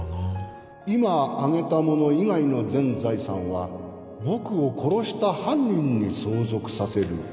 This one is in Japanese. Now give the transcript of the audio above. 「今挙げたもの以外の全財産は僕を殺した犯人に相続させる」